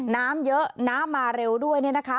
น้ำเยอะน้ำมาเร็วด้วยเนี่ยนะคะ